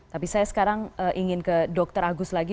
tapi saya sekarang ingin ke dr agus lagi